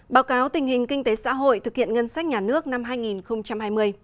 báo cáo tình hình kinh tế xã hội thực hiện ngân sách nhà nước năm hai nghìn hai mươi